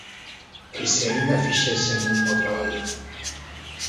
E se aínda fixesen un bo traballo!